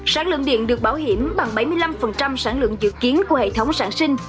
sản lượng điện được bảo hiểm bằng bảy mươi năm sản lượng dự kiến của hệ thống sản sinh